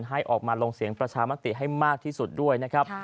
ให้ออกมาลงเสียงประชามติให้มากที่สุดด้วยนะครับ